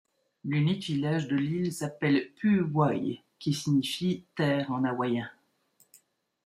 L'unique village de l'île s'appelle Puʻuwai, qui signifie terre en hawaiien.